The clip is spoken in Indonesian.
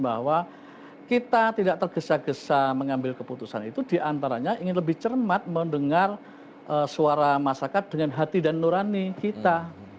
bahwa kita tidak tergesa gesa mengambil keputusan itu diantaranya ingin lebih cermat mendengar suara masyarakat dengan hati dan nurani kita